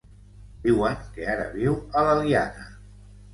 Diuen que ara viu a l'Eliana.